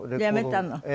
やめたの？